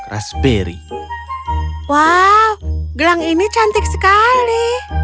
wow gelang ini cantik sekali